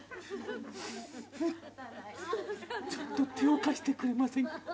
ちょっと手を貸してくれませんか立てないもんで。